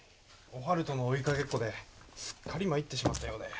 おはるとの追いかけっこですっかりまいってしまったようで。